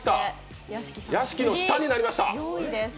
屋敷の下になりました。